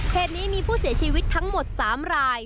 เหตุนี้มีผู้เสียชีวิตทั้งหมด๓ราย